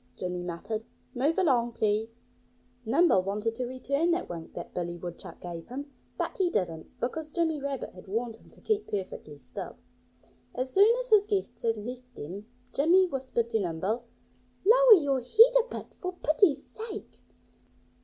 Jimmy muttered. "Move along, please!" Nimble wanted to return that wink that Billy Woodchuck gave him. But he didn't, because Jimmy Rabbit had warned him to keep perfectly still. As soon as his guests had left them Jimmy whispered to Nimble, "Lower your head a bit, for pity's sake!"